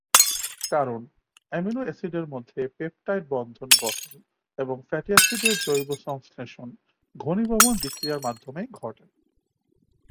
কারণ অ্যামিনো অ্যাসিডের মধ্যে পেপটাইড বন্ধন গঠন এবং ফ্যাটি অ্যাসিডের জৈব সংশ্লেষণ ঘনীভবন বিক্রিয়ার মাধ্যমেই ঘটে।